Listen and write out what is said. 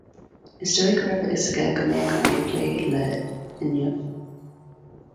Is dóigh go raibh a fhios aige go mbeadh mé ag plé le Inniu.